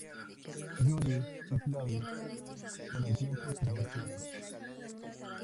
Jude y Claude con el tiempo se divorciaron.